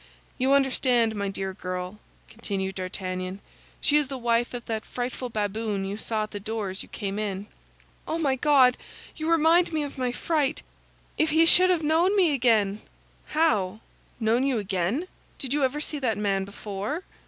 You understand, my dear girl," continued D'Artagnan, "she is the wife of that frightful baboon you saw at the door as you came in." "Oh, my God! You remind me of my fright! If he should have known me again!" "How? know you again? Did you ever see that man before?"